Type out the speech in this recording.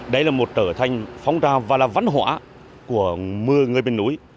đấy là một trở thành phong trào và là văn hóa của mưa người bên núi